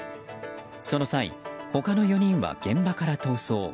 その際、他の４人は現場から逃走。